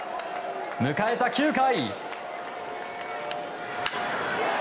迎えた９回。